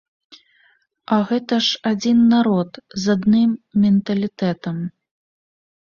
А гэта ж адзін народ, з адны менталітэтам.